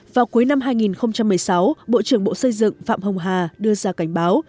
vào cuối năm hai nghìn một mươi sáu bộ trưởng bộ xây dựng phạm hồng hà đưa ra cảnh báo